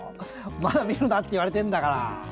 「まだ見るな」って言われてるんだから。